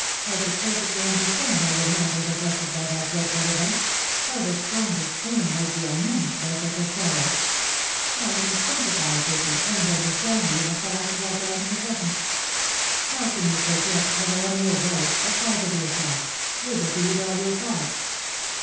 I could perfectly understand how your mind was affected by that dreadful event how the strongest brain might be unhinged by such a sorrow. I can sympathise with you, and understand you in the past as I can in the present. How can you forget that I am your wife, a part of yourself, able to read all your thoughts